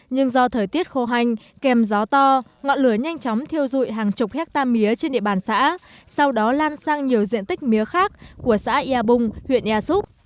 nhưng do thời tiết khô hành kèm gió to ngọn lửa nhanh chóng thiêu dụi hàng chục hectare mía trên địa bàn xã sau đó lan sang nhiều diện tích mía khác của xã ia bung huyện ea súp